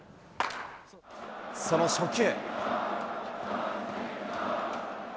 その初球。